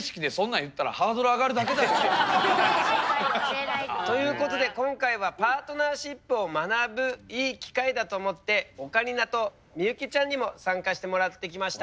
言ったらハードル上がるだけだよ。ということで今回はパートナーシップを学ぶいい機会だと思ってオカリナと幸ちゃんにも参加してもらってきました。